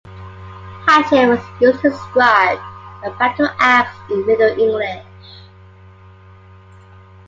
"Hachet" was used to describe a battle-ax in Middle English.